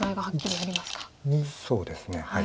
そうですね。